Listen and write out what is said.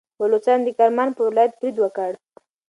بلوڅانو د کرمان پر ولایت برید وکړ.